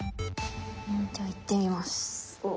じゃあいってみます。